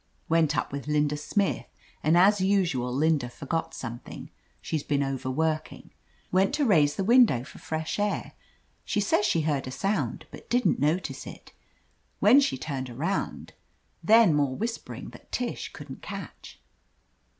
"Went up with Linda Smith and as usual Linda forgot something — she's been over working; went to raise the window for fresh air — ^she says she heard a sound, but didn't notice it — ^when she turned around" — ^then more whispering that Tish couldn't catch.